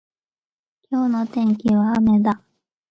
今日の天気は雨だ。